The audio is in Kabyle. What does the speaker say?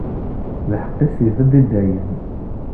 Lḥeqq-is ibedd i dayem.